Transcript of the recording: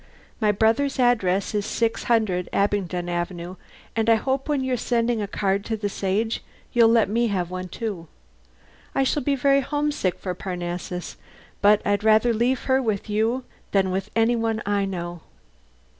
My brother's address is 600 Abingdon Avenue, and I hope when you're sending a card to the Sage you'll let me have one, too. I shall be very homesick for Parnassus, but I'd rather leave her with you than with any one I know."